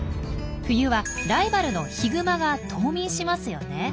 冬はライバルのヒグマが冬眠しますよね。